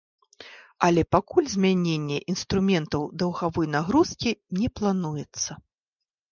Але пакуль змяненне інструментаў даўгавой нагрузкі не плануецца.